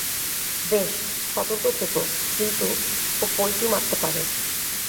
বেশ, সতর্ক থেকো, কিন্তু, ও পল্টি মারতে পারে।